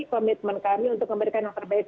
komitmen kami untuk memberikan yang terbaik